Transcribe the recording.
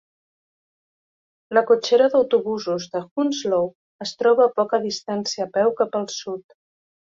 La cotxera d'autobusos de Hounslow es troba a poca distància a peu cap al sud.